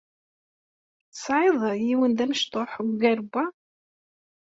Tesɛiḍ yiwen d amecṭuḥ ugar n wa?